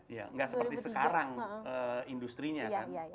iya nggak seperti sekarang industrinya kan